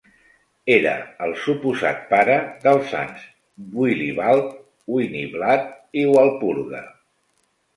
Era el suposat pare dels sants Willibald, Winiblad i Walpurga.